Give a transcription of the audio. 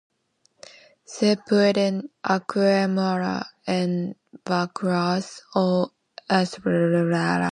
Se pueden acumular en vacuolas o espacios intercelulares.